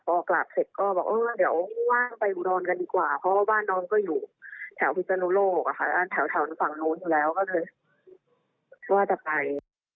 พอกลับเสร็จก็บอกเออเดี๋ยวว่างไปอุดรกันดีกว่าเพราะว่าบ้านน้องก็อยู่แถวพิศนุโลกแถวฝั่งนู้นอยู่แล้วก็เลยว่าจะไป